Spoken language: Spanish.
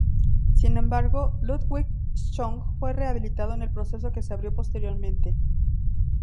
Sin embargo, Ludwig Schunk fue rehabilitado en el proceso que se abrió posteriormente.